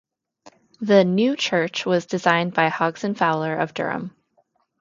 The 'new' church was designed by Hodgson Fowler of Durham.